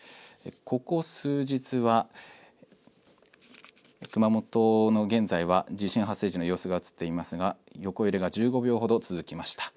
ここ数日は、熊本の現在は、地震発生時の様子が映っていますが、横揺れが１５秒ほど続きました。